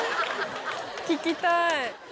聞きたい。